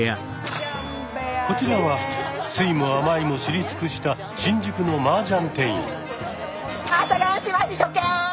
こちらは酸いも甘いも知り尽くした新宿のマージャン店員。